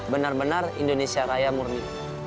benar benar indonesia raya murni